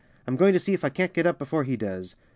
"I'm going to see if I can't get up before he does."